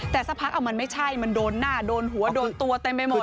แต่สักพักเอามันไม่ใช่มันโดนหน้าโดนหัวโดนตัวเต็มไปหมด